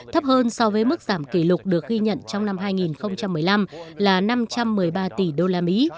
thấp hơn so với mức giảm kỷ lục được ghi nhận trong năm hai nghìn một mươi năm là năm trăm một mươi ba tỷ usd